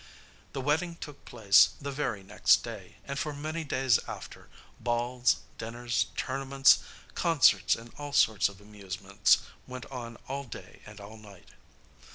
The wedding took place the very next day, and, for many days after, balls, dinners, tournaments, concerts and all sorts of amusements went on all day and all night.